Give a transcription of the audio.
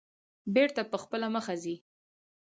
بېرته په خپله مخه ځي.